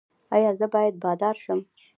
ایا زه باید بادار شم؟